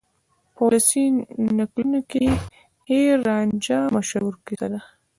په ولسي نکلونو کې هیر رانجھا مشهوره کیسه ده.